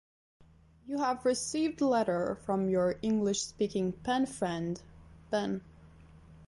You have received latter from your English speaking pen friend Ben.